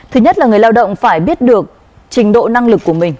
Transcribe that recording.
thứ nhất là người lao động phải biết được trình độ năng lực của mình